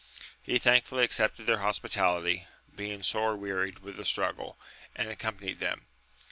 He thankfully accepted their hospitality, being sore wearied with the struggle, and accompanied them.